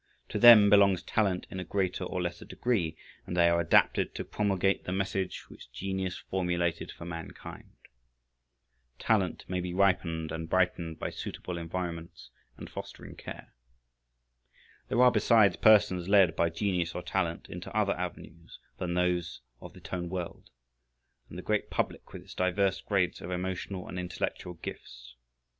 To them belongs talent in a greater or less degree, and they are adapted to promulgate the message which genius formulated for mankind. Talent may be ripened and brightened by suitable environments and fostering care. There are besides persons led by genius or talent into other avenues than those of the tone world, and the great public with its diverse grades of emotional and intellectual gifts.